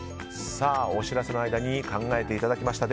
お知らせの間に考えていただきました。